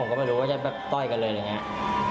ก็ไม่รู้ว่าจะแบบต้อยกันเลยอะไรอย่างนี้